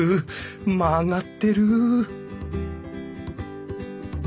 曲がってる！